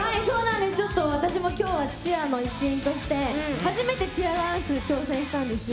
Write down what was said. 私もチアの一員として初めてチアダンス、挑戦したんですよ。